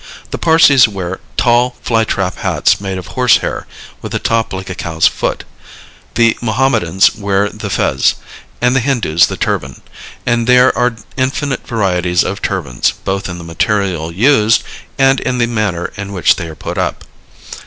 The Parsees wear tall fly trap hats made of horse hair, with a top like a cow's foot; the Mohammedans wear the fez, and the Hindus the turban, and there are infinite varieties of turbans, both in the material used and in the manner in which they are put up.